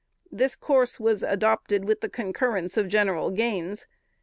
This course was adopted with the concurrence of General Gaines.